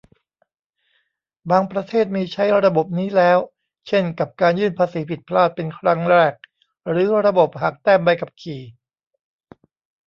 บางประเทศมีใช้ระบบนี้แล้ว เช่นกับการยื่นภาษีผิดพลาดเป็นครั้งแรก หรือระบบหักแต้มใบขับขี่